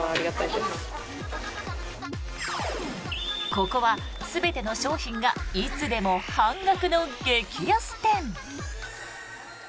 ここは全ての商品がいつでも半額の激安店。